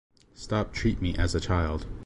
Stop treat me as a child.